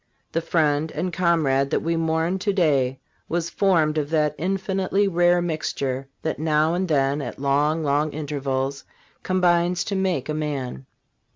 The friend and comrade that we mourn to day was formed of that infinitely rare mixture that now and then at long, long intervals combines to make a man.